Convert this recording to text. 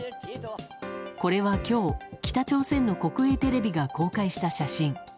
これは今日、北朝鮮の国営テレビが公開した写真。